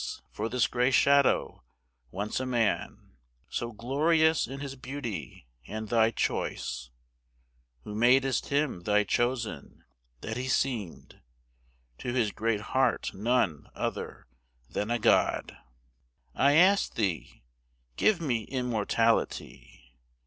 for this gray shadow, once a man So glorious in his beauty and thy choice, Who madest him thy chosen, that he seem'd To his great heart none other than a God! I ask'd thee, 'Give me immortality.'